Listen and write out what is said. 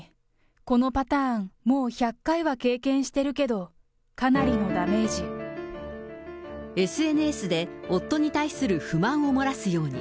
このパターン、もう１００回は経験してるけど、ＳＮＳで、夫に対する不満を漏らすように。